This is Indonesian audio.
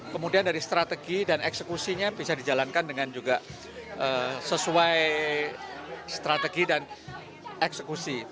kemudian dari strategi dan eksekusinya bisa dijalankan dengan juga sesuai strategi dan eksekusi